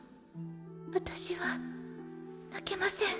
私は泣けません。